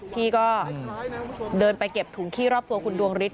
ที่ก็เดินไปเก็บถุงขี้รอบตัวคุณดวงฤทธ